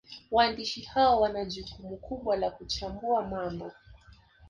Waandishi hao wana jukumu kubwa la kuchambua mambo